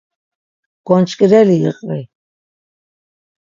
Gonç̌ǩireli iqvi.